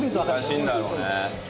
難しいんだろうね。